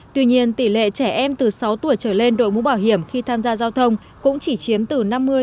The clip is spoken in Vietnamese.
tuy nhiên tỷ lệ trẻ em từ sáu tuổi trở lên đội mũ bảo hiểm khi tham gia giao thông cũng chỉ chiếm từ năm mươi